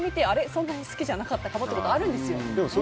そんなに好きじゃなかったかもってそれ、大事ですよね。